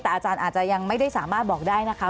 แต่อาจารย์อาจจะยังไม่ได้สามารถบอกได้นะคะ